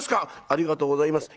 ありがとうございます。